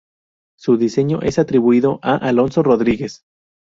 Su diseño es atribuido a Alonso Rodríguez.